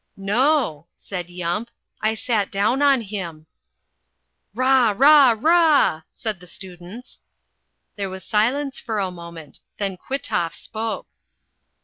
"No," said Yump, "I sat down on him." "Rah, rah, rah," said the students. There was silence for a moment. Then Kwitoff spoke.